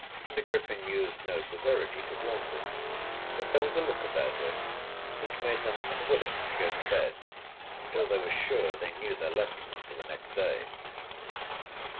The Griffin used no severity toward them, but there was a look about him which made them unwilling to go to bed until they were sure they knew their lessons for the next day.